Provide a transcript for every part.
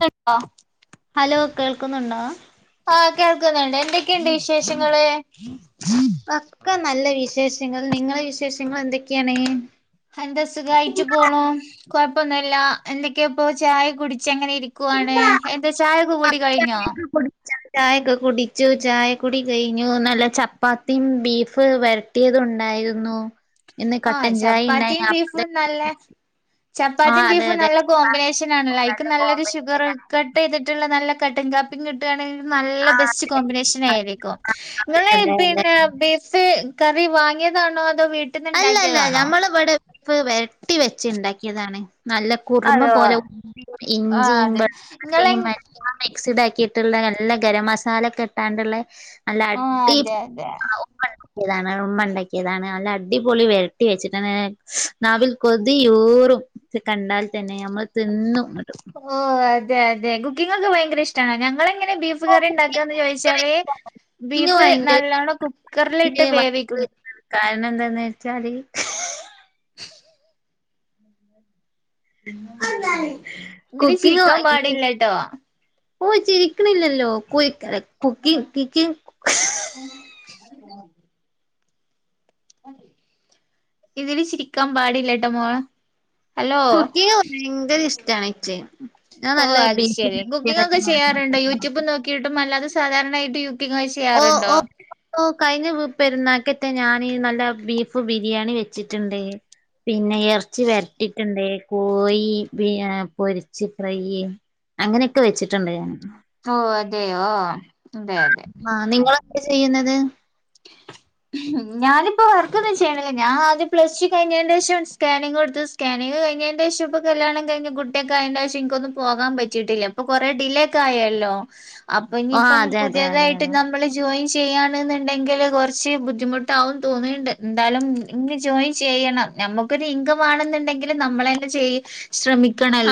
കണ്ടിണ്ടോ? Hello കേൾക്കുന്നുണ്ടോ? ആഹ കേൾക്കുന്നുണ്ട്. എന്തൊക്കെയുണ്ട് വിശേഷങ്ങള്. ഒക്കെ നല്ല വിശേഷങ്ങൾ നിങ്ങളെ വിശേഷങ്ങൾ എന്തൊക്ക്യാണ് എന്ത സുഖായിട്ട് പോണു കൊയ്പ്പൊന്നുല്ല് എന്തൊക്ക്യപ്പൊ ചായ കുടിച്ച് അങ്ങനെരി ക്കുവാണേ എന്തെ ചായക്കെ കുടി കൈഞ്ഞോ ചായ ഒക്കെ കുടിച്ചു ചായ കുടി കൈഞ്ഞു നല്ല ചപ്പാത്തിം ബീഫ് വര ട്ടിയതുണ്ടായിരുന്നു ആഹ് ചപ്പാത്തിം ബീഫും നല്ലെ ആ ചപ്പാത്തിം അതെ ബീഫും അതെ നല്ല ചപ്പാത്തി കോമ്പിനേഷനാൺല അയിക്ക് നല്ല നല്ലൊരു ഷുഗറൊയ്ക്ക കോമ്പിനേഷനാണ് കട്ടെയ്തിട്ടിള്ള നല്ല കട്ടൻ കാ കിട്ടാണെൽ നല്ല ആ ബെസ്റ്റ് അതെ കോമ്പിനേഷൻ അതെ ആയിരിക്കും ഇങ്ങള് അതെ അതെ പിന്നെ ബീഫ് കറി വാങ്ങ്യതാണോ അതോ വീ അല്ലല്ല ഞമ്മൾ ഇവിടെ ബീഫ് വര്ട്ടി വെച്ച് ഇണ്ടാക്ക്യെതാണ് നല്ല കുറുമ അതോ പോലെ ഉം ആഹ് ഇഞ്ചിം അതെ നിങ്ങളെ വെളുത്തുള്ളിം എല്ല മിക്സിഡ് ആക്കീട്ടിള്ള നല്ല ഗരം മസാലോക്കെട്ടാണ്ടിള്ളെ നല്ല ആഹ് അടി അതെ അതെ ആയി ഉണ്ടാക്കിയതാണ് ഉമ്മാ ഇണ്ടാക്ക്യേതാണ് നല്ല അടിപൊളി വരട്ടി വെച്ചിക്കിണ് നാവിൽ കൊതിയൂറും കണ്ടാൽ തന്നെ നമ്മൾ തിന്നും ഇങ്ങട്ട് ഓഹ് അതെ അതെ കുക്കിങ്ങൊക്കെ ഭയ്ങ്കര ഇഷ്ടാണ് ഞങ്ങളിങ്ങനെ ബീഫ് കറി ഇണ്ടാക്കന്ന് ചോയ്ച്ചാല് കുക്കിംഗ് ബീഫ് ഭയങ്കര നല്ലോണ്ണം കുക്കർലിട്ട് വേവിക്കും കാരണെന്താന്ന് വെച്ചാല് ഹും ഉ അതാണ് ഇങ്ങനെ ചിരിക്കാൻ പാടില്ലാട്ടോ ഓഹ് ചിരിക്ക്ണില്ലല്ലോ കുയ് കര കുക്കിങ് കിക്കിങ് ഉ ഇതില് ചിരിക്കാൻ പാടില്ലട്ടൊ മ്മ്വൊ കുക്കിങ് ഭയങ്കര ഇഷ്ടാണ് ഇച്ച് ഞാൻ നല്ല ഓഹ് അത് ബീഫ് ശരി കുക്കിംഗ് ഒക്കെ ചെയ്യാറിണ്ടോ യൂട്യൂബ് നോക്കീട്ടും അല്ലാതെ സാധാര്ണായിട്ട് യു കുക്കിങ്ങൊ ഓഹ് ഓഹ് ഓഹ് കൈഞ്ഞെ പെര്ന്നാക്കത്തെ ഞാന് നല്ല ബീഫ് ബിരിയാണി വെച്ചിട്ടിണ്ട് പിന്നെ എർച്ചി വെര്ട്ടിട്ടിണ്ട് കോയി ബി ഏഹ് പൊരിച്ച് ഫ്രൈയ്യ് അങ്ങനെക്കെ വെച്ചിട്ടിണ്ട് ഞാൻ ഓഹ് അതെയോ അതെ അതെ ആഹ് നിങ്ങളെന്താ ചെയ്യുന്നത് ഞാനിപ്പോ വർക്കൊന്നും ചെയ്യ്ണില്ലേ ഞാൻ ആദ്യ പ്ലസ് ടു കയ്ഞ്ഞേൻ്റേഷം സ്കാനിങ്ങൊട്ത്ത് സ്കാനിങ്ങ് കൈഞ്ഞേന്റേഷം പ കല്യാണം കയ്ഞ്ഞ് കുട്ട്യൊക്കാന്റേഷം ഇൻകൊന്ന് പോകാ പറ്റീട്ടില്ല പ കൊറേ ഡിലേക്കെ ആയല്ലോ ഓ അപഞ്ഞിപ്പം അതെ അതെ അതെ പുത്യെതായ്ട്ട് അതെ മ്മള് ജോയിൻ ചെയ്യാണ് നി ണ്ടെങ്കില് കൊർച്ച് ബുദ്ധിമുട്ടാവുന്ന് തോന്നിണ്ട് എന്തായ്ലും ഇൻക്ക് ജോയിൻ ചെയ്യണം നമ്മക്കൊരു ഇൻകം വേണെന്നിണ്ടെങ്കില് നമ്മളെന്നെ ചെയ്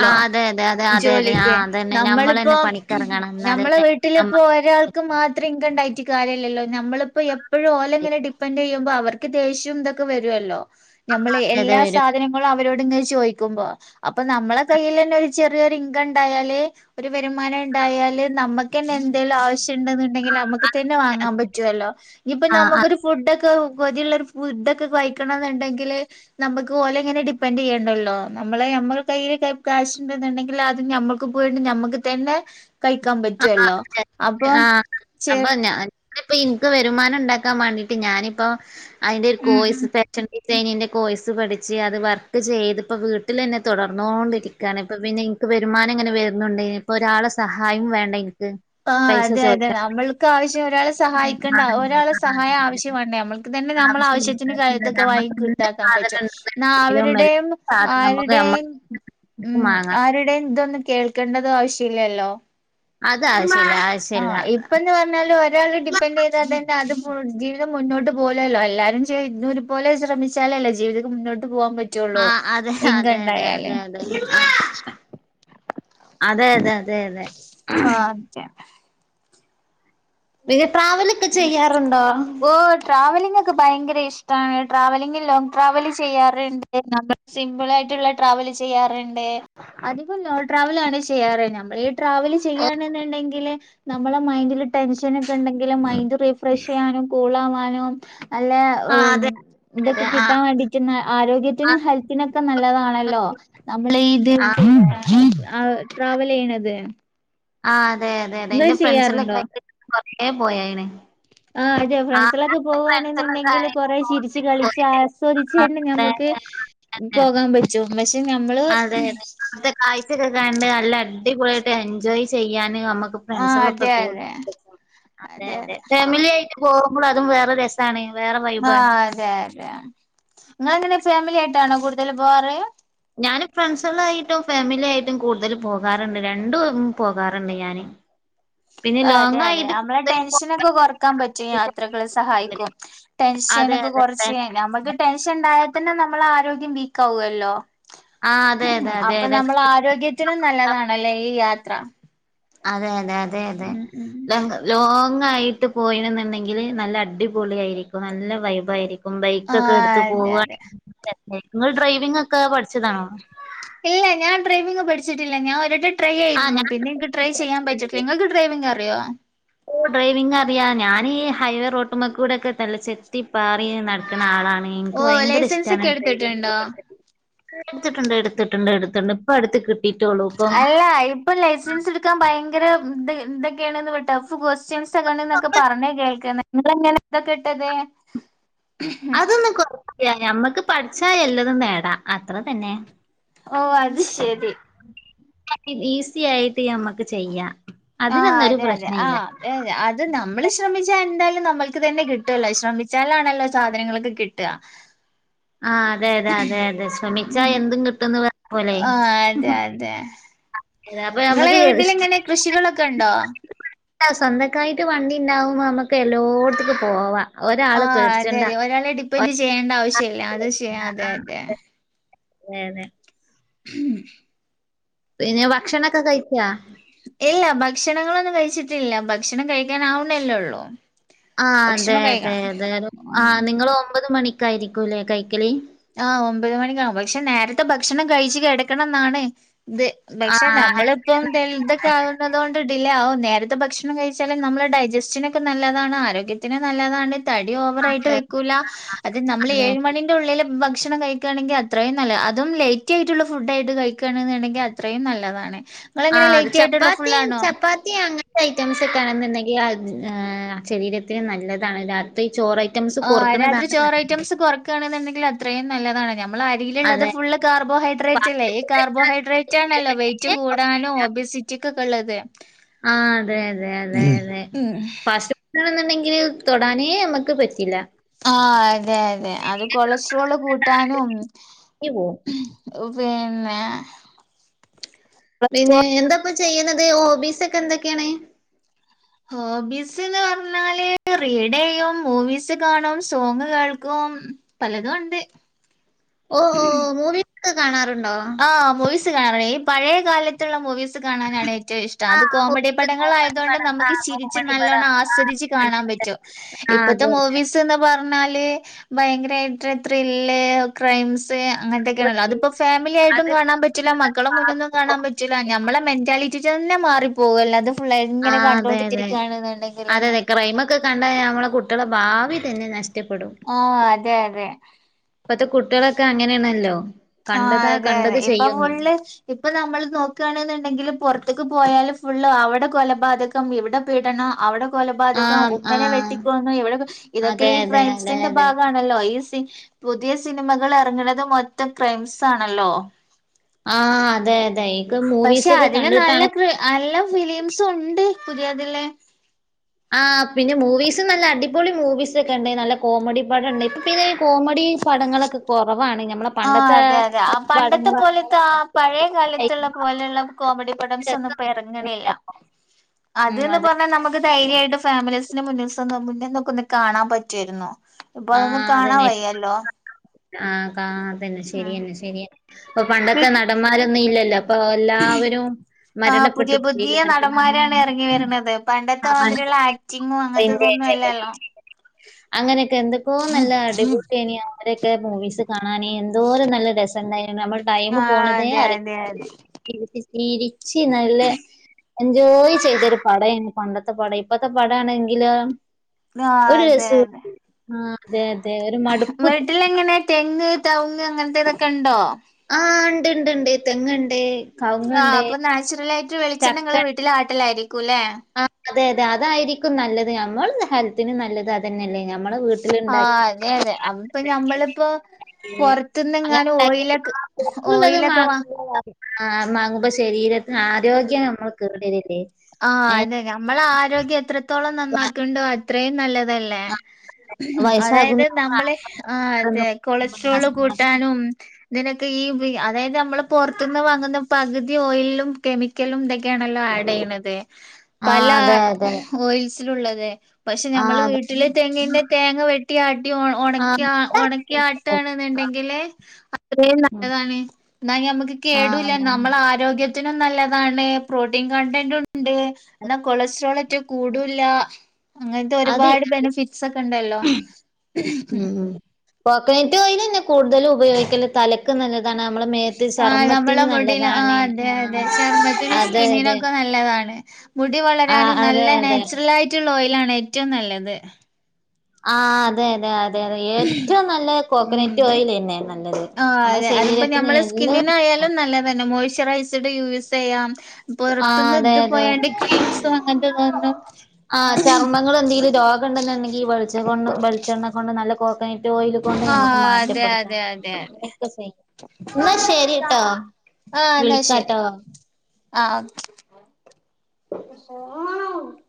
ആ അതെ അതെ അതെ അതെ അതെ ആ ജോലിക്ക് അതന്നെ ഞമ്മളന്നെ നമ്മളിപ്പോം പണിക്കിറങ്ങണം ഞമ്മള് എന്നാലന്നെ വീ വീട്ടിലിപ്പോ നമ്മക്ക് ഒരാൾക്ക് മാത്രം ഇൻകണ്ടായിട്ട് കാര്യല്ലല്ലോ നമ്മളി ഇപ്പോ എപ്പഴും ഓലെങ്ങനെ ഡിപ്പെൻ്റെയ്യുമ്പോ അവർക്ക് ദേഷ്യൊം ഇതൊക്കെ വര്വൊല്ലോ ഞമ്മള് അതെ എല്ലാ വരും. സാധനങ്ങളും അവരോട്ങ്ങെ ചോദിക്കുമ്പോ അപ്പ നമ്മളെ കയ്യിലെന്നെ ഒരു ചെറിയൊരിങ്കണ്ടായാല് ഒരു വരുമാനണ്ടായാല് നമ്മക്കെന്നെ എന്തേലും ആവശ്യണ്ട് ഇന്നിണ്ടെങ്കില് അമ്മക്ക് തന്നെ വാങ്ങാൻ പറ്റ്വോല്ലോ ഇഞ്ഞിപ്പൊ ആ ആ ഞമ്മക്കൊരു ഫുഡ്ഡൊക്കെ കൊതിള്ളൊരു ഫുഡ്ഡൊക്കെ കഴിക്കണംന്നിണ്ടെങ്കില് നമുക്ക് ഓലെ ഇങ്ങനെ ഡിപ്പെെൻഡ് ചെയ്യണ്ടല്ലോ നമ്മളെ നമ്മ കയ്യിൽ കാശ് ഉണ്ടെന്നുണ്ടെങ്കിൽ അത് നമ്മ പോയിട്ട് നമ്മുക്ക് തന്നെ കഴിക്കാൻ ആ ആ പറ്റുവല്ലോ അതെ. അപ്പൊ ഞാനിപ്പ എനിക്ക് വരുമാനം ഉണ്ടാക്കാൻ വേണ്ടിട്ട് ഞാനിപ്പ അതിന്റെ ഒരു ഉം ഉം കോഴസ് ഫാഷൻ ഡിസൈനിൻ്റെ കോഴ്സ് പഠിച്ച് അത് വർക്ക് ചെയ്തിപ്പോൾ വീട്ടിൽ തന്നെ തുടർന്നു കോണ്ടിരിക്കും നിക്കാണ് പിന്നെ എനിക്ക് വരുമാനം ഇങ്ങനെ വരുന്നുണ്ട് ഇപ്പൊ ഒരാളെ സഹായം വേണ്ട എനിക്ക് ആഹ് അതെ അതെ നമ്മക്ക് ആവശ്യം ഒരാളെ സഹായിക്കേണ്ട ഒരാളെ സഹായം ആവശ്യമാ നമ്മൾക്ക് തന്നെ നമ്മൾ ആവശ്യത്തിന് ആവശ്യമില്ല ഇതൊക്കെ വൈി നമ്മക്ക് എന്ത് കുത്താക്കാൻ പറ്റോ സാധനം എന്ന ഉണ്ടെങ്കിലും എല്ലാ അവരുടെയും സാധനം നമുക്ക് നമ്മ ആരുടെയും ഉം വാങ്ങാം. ആരുടെയും ഇതൊന്നും കേൾക്കേണ്ടത് ആവശ്യല്ലല്ലോ അത് ആവശ്യല്ല ആഹ ആവശ്യല്ല ഇപ്പന്ന് പറഞ്ഞല് ഒരാളെ ഡി ഇറ് ചെയ്താൽന്നെ അത് ജീവിതം മുന്നോട്ട് പോലെയല്ലോ എല്ലാരും ചെയ് ഒരു പോലെ ശ്രമിച്ചു ചലല്ലെ ജിവിതം മുന്നോട്ട് പോകൻ പറ്റു ആഹ് അതെ അതെ അതെ അതെ അതെ അതെ അതെ അതെ അതെ ആഹ് അതെ ഇത് ട്രാവല ഉ ഓ ട്രാവലിംഗ ഒക്കെ ഭയങ്കര ഇഷ്ടമാണ് ട്രാവലിംഗ ലോങ് ട്രാവല് ചെയ്യാറുണ്ട്മ്മ സിമ്പിൾ ആയിട്ടുള്ള ട്രാവൽ ചെയ്യാറുണ്ട് അതികോം ലോങ്ങ് ട്രാവല ആണ് ചെയ്യാറ് നമ്മൾ ട്രാവൽ ചെയ്യയാണെന്നുണ്ടെങ്കില് നമ്മളെ മൈൻഡില് ടെൻഷൻ ഒക്കെ ഉണ്ടെങ്ക മൈഡ് റീഫ്രഷ് ചെയ്യാനും കൂൾ ആവാനും നല്ല ആഹ് അതെ അതെ ഇതൊക്കെ കിട്ടാൻ ആഹ് വേണ്ടിട്ട് ആരോഗ്യത്തിനും ആഹ് ഹെൽത്തിനൊക്കെ നല്ലതാണല്ലോ നമ്മള ഇത് ആഹ് അതെ ട്രാവൽ ചെയ്യണത് ആഹ് അതെ അതെ അതെ നിങ്ങൾ എറെ ഫ്രണ്ട്സല്ല ചെയ്യാറുണ്ടോ ഒക്കെ കൊറേ പോയേനെ ആഹ് അതെ ഫ്രണ്ട്സിലൊക്കെ പോവവാണെന്നുണ്ടെങ്കിൽ ആയി കൊറേ ചിരിച്ച് കളിച്ച ആസ്വദിച്ചണ്ട് അതെ ഞമ്മുക്ക് അതെ പോകാൻ പറ്റും പക്ഷെ ഞമ്മള് കാഴ്ചക്കെ കണ്ട് നല്ല അടിപൊളിയയിട്ട് എൻജോയ് ചെയ്യാന് നമ്മുക്ക് ആഹ് ഫ്രണ്ട്സള്ളൊക്കെ അതെ കൂടു അതെ അതെ അതെതെ അതെ ഫാമിലി ആയിട്ട് പോകുമ്പോൾ അതും വേറെ ര വേറെ വൈബാണ് ആഹ് അതെ അതെ ഇങ്ങെളെങ്ങനെ ഫാമിലി ആയ്ട്ടാണോ കൂടുതല് പോവാറ ഞാന് ഫ്രണ്ട്സുകളായ്ട്ടും ഫാമിലിയായ്ട്ടും കൂടുതൽ പോകാറിണ്ട് രണ്ടും പോകാറിണ്ട് ഞാന് [inaudible] അതെ ലോങ് അതെ ആയിട്ട് നമ്മളെ കൂടുതൽ ടെൻഷനൊക്കെ പോകാറുണ്ട്. കൊറക്കാൻ പറ്റും യാത്രകളെ സഹായിക്കും ടെൻഷന അതെ ഒക്കെ അതെ കുറച്ച് നമ്മുക്ക് ടെൻഷൻ ഉണ്ടായൽ തന്നെ നമ്മള ആരോഗ്യം വീക്ക ആകുവല്ലോ ആ അതെ അതെ അതെ അപ്പൊ അതെ നമ്മൾ ആരോഗ്യത്തിനും നല്ലതാണല്ലേ ഈ യാത്ര അതെ അതെ അതെ അതെ ഉം ഉം ല ലോങ് ആയിട്ട് പോയിണെന്നുണ്ടെങ്കിൽ നല്ല അടിപൊളിയിരിക്കും നല്ല വൈബായിരിക്കും ഇപ്പം ബൈക്കൊക്കെ ആഹ് എടുത്ത് അതെ പോവുവാണ അതെ നിങ്ങൾ ഡ്രൈവിംഗ ഒക്കെ പഠിച്ചതാണോ ഇല്ല ഞാൻ ഡ്രൈവിംഗ് പഠിച്ചിട്ടില്ല ഞാ ഒരട്ട ട്രൈ ആ ആയിരുന്നു പിന്നെ ഇൻക്ക് ട്രൈ ചെയ്യൻ പറ്റട്ടില്ല ഞാൻ നിങ്ങൾക്ക് ഡ്രൈവിംഗങ് അറിയോ ഓഹ് ഡ്രൈവിംഗ അറിയാം ഞാനീ ഈ ഹൈവേ റോട്ടമ്മക്ക കൂടെക്കെ തല്ല ചെത്തി പാറി നട ആളാണ് ഓ എനിക്ക് ഭയങ്കര ലൈസൻസ് ഇഷ്ട്ടാണ് ഒക്കെ ട്രവിങ് എടുത്തിട്ടുണ്ടോ പഠിച്ചിട്ട് എടുത്തിട്ടുണ്ട് എടുത്തിട്ടണ്ട് എടുത്തിണ്ട് ഇപ്പ എടുത്ത് അല്ല ഇ ഇപ്പൊ ലൈസൻസ് എടുക്കാൻ ഭയങ്കര ഇ ഇതൊക്കെയാണ്ന്ന് ട്ടഫ് ക്വസ്റ്റ്യൻ സ് ഒക്കെന്ന് അപ്പൊ പറഞ്ഞ കേൾക്കൂന്ന് നിങ്ങെ എങ്ങനെ ഇതൊക്കെട്ടത് അതൊന്ന കൊറ ഞമ്മക്ക് പഠിച്ച എല്ലതും നേടാ അത്ര തന്നെ ഓഹ് അത് ശരി ഈസി ആയിട്ട് നമ്മക്ക് ചെയ്യാം ആഹ് അതിനൊന്നും ഒരു അതെ അതെ പ്രശ്നമില്ല ആഹ് ഏഹ് അത് നമ്മൾ ശ്രമിച്ചാ എന്തായാലും നമ്മൾക്ക് തന്നെ കിട്ടുവല്ലോ ശ്രമിച്ചാലാണല്ലോ സാധനങ്ങളൊക്കെ കിട്ടുക ആ അതെ അതെ അതെ അതെ ശ്രചക്ഷമിച്ചാ എന്തും കിട്ടുന്നു പ ആഹ് അതെ അതെ അപ്പൊ നിങ്ങളെ നമുക്ക് വീട്ടില എങ്ങനെ കൃഷികളൊക്കെ ഉണ്ടോ സ്വന്തക്കായിട്ട് വണ്ടി ഉണ്ടാവുമ്പോ നമുക്ക് എല്ലോടത്തേക്കും പോവാം ഒരാള് ആഹ് അതെ പേടിച്ചണ്ട അതെ ഒരാളെ ഡിപ്പെൻഡറ് ഒരാള് ചെയ്യേണ്ട ആവശ്യല്ല അത് ശ അത അതെ അതെ അതെ ഉം പിന്നെ ഭക്ഷണം ക്കെ കഴിച്ചാ ഇല്ല ഭക്ഷണങ്ങളൊന്നും കഴിച്ചിട്ടില്ല ഭക്ഷണം കഴിക്കാൻ ആവുന്നല്ലെ ഉള്ളു ആഹ് അതെ അതെ അതെ ഉം ആഹ് നിങ്ങ ഒമ്പത് മണിക്കായിരിക്കൂല്ലേ കൈക്കളി ആഹ് ഒമ്പത് മണിക്കാണ് പക്ഷെ നേരത്തെ ഭക്ഷണം കഴിച്ചു കിടക്കണം എന്നാണ് ഇത് പക്ഷെ ആഹ് നമ്മള് അതെ ഇപ്പം ദൽതൊക്കെ ആകുന്നത് കൊണ്ട് ഡിലേ ആകവും നേരത്തെ ഭക്ഷണം കഴിച്ചാലും നമ്മുടെ ഡൈജസ്റ്റനൊക്കെ നല്ലതാണ് ആരോഗ്യ ത്തിന് നല്ലതണ്ട് തടി ഓവർ ആയിട്ട് വെക്കൂല്ല അത് നമ്മൾ അതെ ഏഴ മണിന്റെ ഉള്ളിൽ ഭക്ഷണം കഴിക്കുകണെങ്കിൽ അത്രയും നല്ല അതും ലേറ്റ് ആയിട്ടുള്ള ഫുഡ് ആയിട്ട് കഴിക്കുകയാെന്നുണ്ടെങ്കിൽ അത്രയും നല്ലതാണ് നിങ്ങളെങ്ങനെ ആഹ് അത് ലേറ്റ് ആയിട്ടുള്ള ചപ്പാത്തി ഫുള്ളാണോ ചപ്പാത്തി അങ്ങ ഐറ്റംസ് ഒക്കെ ആണെന്നുണ്ടെങ്കിൽ ആ ശരീരത്തിന് നല്ലതാണ് ഈ ചോറ് ഐറ്റംസ് കൊറക്കുന്നതാണ് നല്ലത് ക്കണെന്നുണ്ടെങ്കിൽ അത്രയും നല്ലതാണ് ഞാൻ നമ്മൾ അരിയിലുള്ളത് അതെ ഫുള്ള് കാർബോഹൈഡ്രേറ്റ് അല്ലേ ഫാസ്റ്റ് ഈ ഫുഡ് കാർബോ ഹൈഡ്രേറ്റ് ആണല്ലോ വെയിറ്റ് കൂടാനും ഓബിസി ചിക്ക കള്ളത്തെ ആഹ് അതെ അതെ അതെ അതെ ഉം പഷ് ഇണെന്നുണ്ടെങ്കിൽ തൊടാനേ നമുക്ക് പറ്റില്ല ആഹ് അതെ അതെ അത് കൊളസ്ട്രോള് കൂട്ടാനും ഉം പോവും പിന്നെ പിന്നെ കൊളസ്ട്രോൾ എന്താപ്പ ചെയ്യുന്നത് ഹോബീസ് ഒക്കെ എന്തൊക്കെയാണ് ഹോബീസ് എന്ന് പറഞ്ഞാല് റീഡ് ചെയ്യും മൂവീസ് കാണും സോങ് കേൾക്കും പലതും ഉണ്ട് ഓഹ് ഓഹ് മൂവിക്കെ കാണാറുണ്ടോ ആഹ് മൂവീസ് കാണാറ ഈ പഴയ കാലത്തുള്ള മൂവീസ് ച് കാണാനാണ് ഏറ്റവും ഇഷ്ടം. ആ അത് കോമഡി ഹോബീസ് പടങ്ങൾ കോമഡി ആയതൊണ്ട് പടം ആ നമക്ക് ചിരിച്ച് കോമഡി പടം നല്ലോണം ആസ്വദിച്ച്. കാണാൻ പറ്റും.. ആ ഇപ്പത്തെ അതെ മൂവിസ്. സ് പറഞ്ഞാൽ ഭയങ്കരായിട്ട് ത്രീല്ല് ക്രൈസ് സ് അങ്ങനൊക്കാണല്ലോ അത്പ്പോ ഫാമിലിയായിട്ടും അതെ. കാ കാണാൻ പറ്റില്ല മക്കളെ ആ, മുന്നുന്നും കാണാൻ പറ്റില്ല ഞമ്മളെ മെന്റാലിറ്റി റ്റെന്നെ മാറിപ്പോവെല്ലതും. ഇപ്പൾ അതെ അതെ ആ എങ്ങനെ അതെ അതെ കണ്ടോറ്റിരികാണ്ന്ന്ണ്ടങ്കില്. അതെ അതെ ക്രൈമൊക്കെ കണ്ടായ് നമ്മളെ കുട്ട്യാളെ ഭാവി തന്നെ നഷ്ടപ്പെടും. ആ അതെ അതെ. ഇപ്പത്തെ കുട്ടിളൊക്കെ അങ്ങനെണല്ലോ. ആ അതെ അതെ ഇപ്പൊ ഫുള്ള്. ഇപ്പൊ നമ്മൾ നോക്കുണ്ന്നുണ്ടെങ്കിലും പൊർത്ത്ക് പോയാലും ഫുള്ള് അവടെ കൊലപാത കം ഇവിടെ പീഡനം അവടെ ആ കൊലപാതകം ആ ഉമ്മനെ വെട്ടിക്കൊന്നു ഇവിടെ ഇതൊക്കെ അതെ ഈ അതെ അതെ ക്രൈംസിന്റെ അതെ ഭാഗണല്ലോ ഈ സി പുതിയ സിനിമകൾ എറങ്ങണത് മൊത്തം ക്രൈംസ് ആണല്ലോ. ആ അതെ അതെയ്. പഷെ അതില് നല്ല കൃ നല്ല ഫിലിംസ് ഉണ്ട് പുതിയതില്. ആ പിന്നെ മൂവീസ് നല്ല അടിപൊളി മൂവീസ്ക്കെണ്ട് നല്ല കോമഡി പടണ്ട് ഇപ്പിതിന് കോമഡി. പടങ്ങളൊക്കെ കൊറവാണ് ഞമ്മളെ ആ അതെ അതെ ആ പണ്ടത്തെ പോലത്തെ ആ പഴയെ കാലത്തുള്ള പോലെള്ള കോമഡി പടംസൊന്നും ഇപ്പറങ്ണില്ല. അത് ഉം ന്ന് അതെ. പറഞ്ഞാ നമക്ക് ധൈര്യയിട്ട് ഫാമിലീസിന് മുന്നിൽസ്ന്നൊ മുന്നിന്നൊക്കെ ഒന്ന് കാണൻപറ്റുര്ന്നു. ഇപ്പൊ ആ അതൊന്നും കാണാൻ അതന്നെ. വയ്യല്ലോ. ആ കാ അതന്നെ ഉം ശരിയന്നെ ശരിയെ ഇപ്പൊ പണ്ടത്തെ നടന്മാരൊന്നും ഇല്ലല്ലോ. ഇപ്പൊ എല്ലാവരും. ആ മരണപ്പെട്ടു പുതിയ [unintelligible] പുതിയ നടക്കുന്ന നടന്മാരാണ് എറങ്ങി [unintelligible] വരണത് പണ്ടത്തെ മാതിരിയുള്ള ആക്ടിങ്ങും അങ്ങനത്തെ ഇതൊന്നും അല്ലല്ലോ [unintelligible] അങ്ങനെക്കെ എന്തൊക്കോ നല്ല അടിപുട്ട്ണിയ. അങ്ങനെക്കെ മൂവീസ് കാണാൻ എന്തോര നല്ല ര സ്‌ണ്ടായിരുന്നു നമ്മൾ ടൈമ് ആ പോണതെ അതെ അറി അതെ അതെ ചിരിചി നല്ല. എൻജോയ് ചെയ്തൊരു പടാണെ പണ്ടത്തെ പടം ഇപ്പത്തെ പടആണെങ്കിലൊ ആ അതെ ഒരുരസോം അതെ ആ അതെ അതെ ഒരു മടുപ്പ് ട്ടിലെങ്ങനെ തെങ്ങ്, തൗങ്, അങ്ങൻത്തെ ഇതൊക്കെണ്ടോ. ആ ണ്ട്ണ്ട്ണ്ട് തെങ്ങ്ണ്ട്. ആഹ് കവുങ്ങ്ണ്ട്, അപ്പൊ നാച്ചുറലായിട്ട് വിളിച്ചെണ്ണ ചക്ക നിങ്ങളെ വീട്ടില്ല് ആട്ടെലാരിക്കുലേ. ആ അതെ അതെ അതായിരിക്കും നല്ലത് നമ്മൾ ഹെൽത്തിന് നല്ലത്. ആതന്നെല്ല നമ്മളെ വീ ആ അതെ അതെ അമ് പ്പൊ ഞമ്മള്പ്പോ. അങ്ങനെ പൊറത്തുന്നെങ്ങാനും ഉണ്ടാക്കി ഓയിലക് ആ പൊറത്തുള്ളത് ഓയിലൊക്കെ വ മാങ്ങുമ്പോ ആ മാങ്ങുമ്പോ ശരീരത്തിന് ആരോഗ്യം നമ്മൾ കേടെരല്ലേ. ആ അന്നെ നമ്മള ആരോഗ്യം എത്രത്തോളം നന്നാകുണ്ടോ അത്രയും നല്ലതല്ലേ. ആ വയസ്സാകുന്ന അതായത് നമ്മളെ ആ അതെ കൊളസ്ട്രോള് അസുഖങ്ങൾ. കൂട്ടാനും. ഇതിനൊക്കെ ഈ വി അതായത് നമ്മൾ പൊറത്തുന്ന് വാങ്ങുന്ന പകുതി ഓയിലും കെമിക്കലുംടെ ക്യണല്ലോ ആഡ്യ്യന്നത് ആ പല അതെ, അതെ. ഓയിസിലുള്ളത്. പഷെ ആ ഞമ്മള് അതെ. വീട്ടിലെ തെങ്ങിന്റെ തേങ്ങ വെട്ടിയാട്ടി ഒണ ആ. ഒണകിയ ഒണ ക്യട്ട് അതെ. ആണെന്നുണ്ടെങ്കില്. അത്രം ഉം. നല്ലതാണ് എന്നാ ഞമ്മക്ക് ആ കേടൂല്ല അതാണ്. നമ്മളെ ആരോഗ്യ ത്തിനും നല്ലതാണ് പ്രോട്ടീൻ കണ്ടൻഡും ഉണ്ട് എന്നാ കൊളസ്ട്രോൾറ്റ് കുടുല്ല. അങ്ങൻത്തെ അത് ഒരുപാട് ബെനഫിറ്റ്സ് ഒക്കെണ്ടല്ലോ. കോക്കനറ്റ് ഓയിൽതന്നെയാ കൂടുതലും ഉപയോഗിക്കല് തലക്ക് നല്ല താണ് നമ്മുടെ മേത്ത് ആഹ് നമ്മളെ ചർമ്മത്തിന് മുടിൽ ആഹ് നല്ലതാണ് അതെ അതെ ചർമ്മത്തിനും ആ അതെ അതെ സ്കിന്നിനൊക്കെ നല്ലതാണ് മുടി ആഹ് വളരാനും അതെ നല്ല അതെ നാച്ചുറൽ ആയിട്ടുള്ള ഓയിൽ ആണ് ഏറ്റവും നല്ലത് ആ അതെ അതെ അതെ അതെ ഏറ്റവും നല്ല ഉം കോക്കനറ്റ് ഓയിൽ എണ്ണയാ നല്ലത് ആഹ് നമ്മുടെ അതെ അതിപ്പോ ശരീരത്തിന് നമ്മളെ ഹേൽ സ്കിന്നിനായാലും നല്ലതന്നെ മോയ്സ്ചറൈസിഡ് യൂസ് ചെയ്യാം ആഹ് പൊറത്തുന്ന് അതെ ഇത് അതെ പോയാണ്ട് ഗെയിംസും അങ്ങനത്തെ ഇതൊന്നും കണ്ട്ണ്ടെങ്കി വെൾച് കൊണ്ടു വളിച്ചെണ്ണ കൊണ്ട് നല്ലകൊ റിഫയ്ന്റ്ഓയില് ആഹ് കൊണ്ട്ഞമ്മക്ക് അതെ മാറ്റപ്പെടുത്താം അതെ അതെ അതെ [unintelligible] എന്ന ശരിട്ടോ ആഹ് എന്നാ ശരി വിളിക്കാട്ടോ ആഹ്